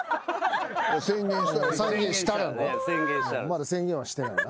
まだ宣言はしてないな。